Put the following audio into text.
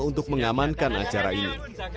untuk mengamankan acara ini